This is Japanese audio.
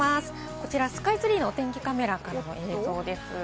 こちらスカイツリーのお天気カメラの映像からです。